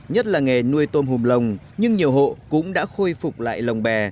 nhất là nghề nuôi tôm hùm lồng nhưng nhiều hộ cũng đã khôi phục lại lồng bè